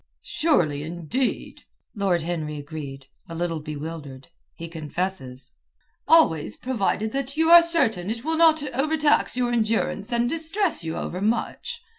"Surely, indeed," Lord Henry agreed, a little bewildered, he confesses, "always provided you are certain it will not overtax your endurance and distress you overmuch.